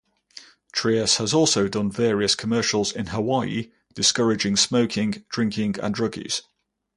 Trias has also done various commercials in Hawaii discouraging smoking, drinking, and drug use.